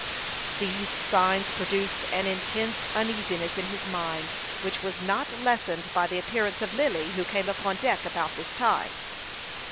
These signs produced an intense uneasiness in his mind, which was not lessened by the appearance of Lily, who came upon deck about this time.